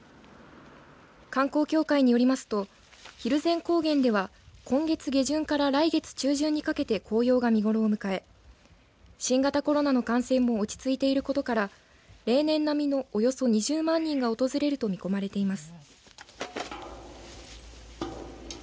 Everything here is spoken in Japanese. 観光協会によりますと蒜山高原では今月下旬から来月中旬にかけて紅葉が見頃を迎え新型コロナの感染も落ち着いていることから例年並みのおよそ２０万人が訪れると見込まれています。